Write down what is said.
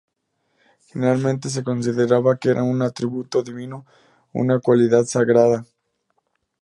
Generalmente se consideraba que era un "atributo divino" o una "cualidad sagrada".